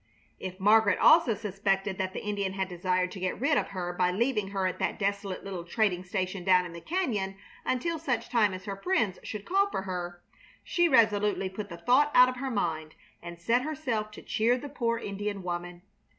If Margaret also suspected that the Indian had desired to get rid of her by leaving her at that desolate little trading station down in the cañon until such time as her friends should call for her, she resolutely put the thought out of her mind and set herself to cheer the poor Indian woman.